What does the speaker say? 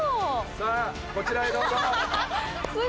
さぁこちらへどうぞ。